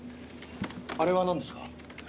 あれは何ですか？